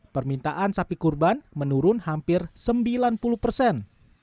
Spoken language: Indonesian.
permintaan sapi kurban menurun hampir sembilan puluh persen